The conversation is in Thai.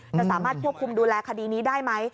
จะสามารถควบคุมดูแลคดีนี้ได้ไหม